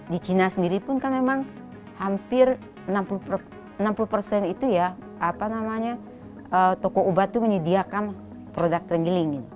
di china sendiri hampir enam puluh tokoh ubat menyediakan produk terenggiling